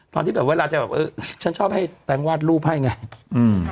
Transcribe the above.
ตอนที่แบบเวลาจะแบบเออฉันชอบให้แตงวาดรูปให้ไงอืม